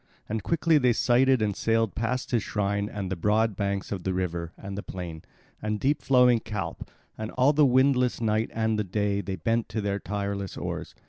And quickly they sighted and sailed past his shrine and the broad banks of the river and the plain, and deep flowing Calpe, and all the windless night and the day they bent to their tireless oars.